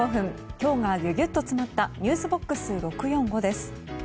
今日がギュギュッと詰まったｎｅｗｓＢＯＸ６４５です。